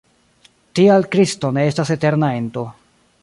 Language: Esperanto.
Tial Kristo ne estas eterna ento.